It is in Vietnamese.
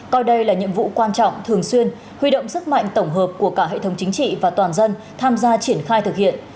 coi đây là nhiệm vụ quan trọng thường xuyên huy động sức mạnh tổng hợp của cả hệ thống chính trị và toàn dân tham gia triển khai thực hiện